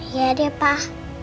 iya deh pak